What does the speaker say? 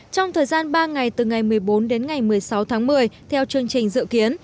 trong thời gian ba ngày từ ngày một mươi bốn đến ngày một mươi sáu tháng một mươi theo chương trình dự kiến